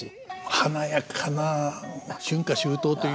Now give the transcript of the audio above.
華やかな「春夏秋冬」という。